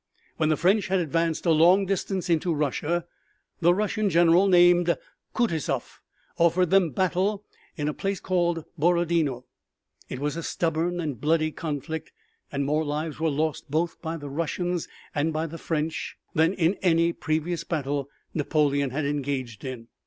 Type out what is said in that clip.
When the French had advanced a long distance into Russia, the Russian general named Kutusoff offered them battle in a place called Borodino. It was a stubborn and bloody conflict, and more lives were lost both by the Russians and by the French than in any previous battle Napoleon had engaged in.